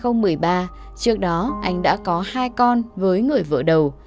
năm hai nghìn một mươi ba trước đó anh đã có hai con với người vợ đầu